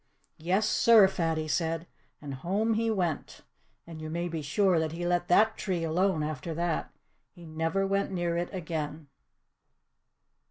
"Yes, sir!" Fatty said. And home he went. And you may be sure that he let THAT tree alone after that. He never went near it again.